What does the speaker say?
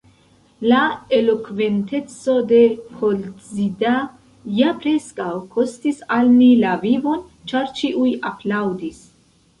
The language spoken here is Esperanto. La elokventeco de Koltzida ja preskaŭ kostis al ni la vivon, ĉar ĉiuj aplaŭdis.